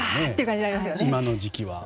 今の時期は。